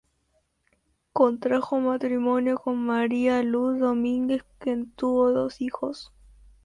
Contrajo matrimonio con María de la Luz Domínguez, con quien tuvo dos hijos.